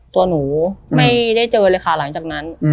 ตัวหนูไม่ได้เจอเลยค่ะหลังจากนั้น